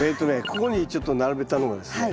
ここにちょっと並べたのはですね